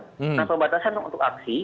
kalau ada pembatasan untuk aksi